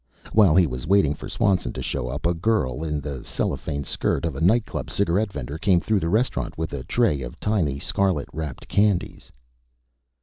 While he was waiting for Swanson to show up, a girl in the cellophane skirt of a nightclub cigarette vendor came through the restaurant with a tray of tiny scarlet wrapped candies.